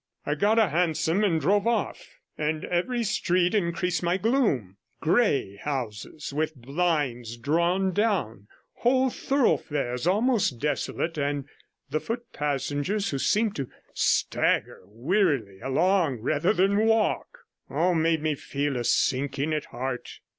I got a hansom and drove off, and every street increased my gloom; grey houses, with blinds drawn down, whole thoroughfares almost desolate, and the foot passengers who seem to stagger wearily along rather than walk, all made me feel a sinking at heart.